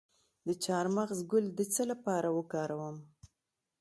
د چارمغز ګل د څه لپاره وکاروم؟